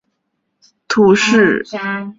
圣马塞昂缪拉人口变化图示